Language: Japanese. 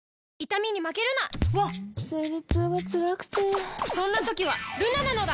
わっ生理痛がつらくてそんな時はルナなのだ！